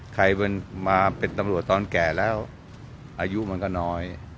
ใครเป็นมาเป็นตำรวจตอนแก่แล้วอายุมันก็น้อย